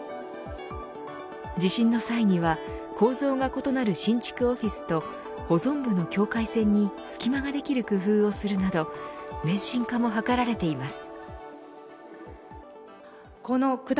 地震の際には構造が異なる新築オフィスと保存部の境界線に隙間ができる工夫をするなど免震化も図られています。